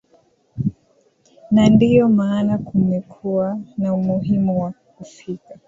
na ndio maana kumekuwa na umuhimu wa kufika